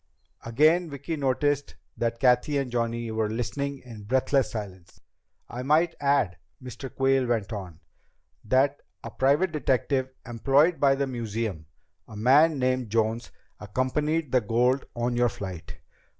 Again Vicki noticed that Cathy and Johnny were listening in breathless silence. "I might add," Mr. Quayle went on, "that a private detective employed by the museum, a man named Jones, accompanied the gold on your flight.